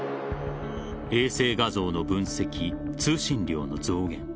衛星画像の分析、通信量の増減